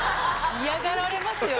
嫌がられますよ